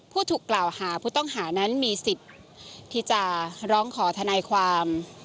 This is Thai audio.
ผู้ถูกกล่าวหาผู้ต้องหานั้นมีสิทธิ์ที่จะร้องขอทนายความ